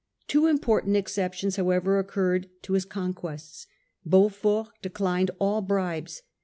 Two important exceptions however occurred to his conquests. Beaufort declined all bribes.